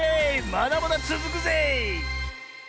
まだまだつづくぜえ！